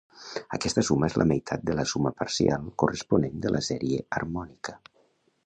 Aquesta suma és la meitat de la suma parcial corresponent de la sèrie harmònica.